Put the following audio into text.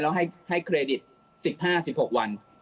แล้วให้เครดิต๑๕๑๖วัน